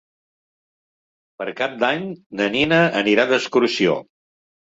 Per Cap d'Any na Nina anirà d'excursió.